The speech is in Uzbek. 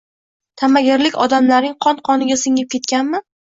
Ta’magirlik odamlarning qon-qoniga singib ketganmi?